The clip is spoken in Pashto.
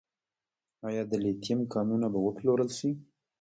آیا د لیتیم کانونه به وپلورل شي؟